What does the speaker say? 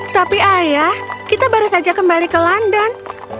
tapi ayah kita baru saja kembali ke london